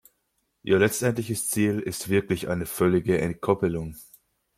Ihr letztendliches Ziel ist wirklich eine völlige Entkoppelung.